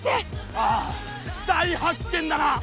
ああ大発見だな！